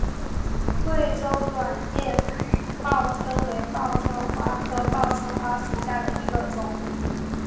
贵州卵叶报春为报春花科报春花属下的一个种。